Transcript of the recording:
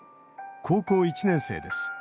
高校１年生です。